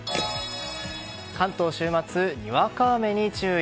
関東週末、にわか雨に注意。